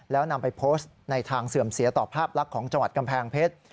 แล้วนำไปโพสต์ในทางเสื่อมเสียต่อภาพลักษณ์ของจังหวัดกำแพงเพชร